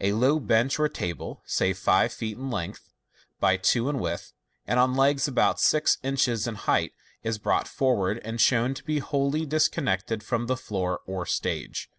A low bench or table, say five feet in length bv two in width, and on legs about six inches in height, is brought forward, and shown to be wholly disconnected from the floor or stage.